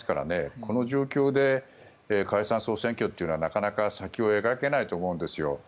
この状況で解散・総選挙というのはなかなか先を描けないと思うんですよ。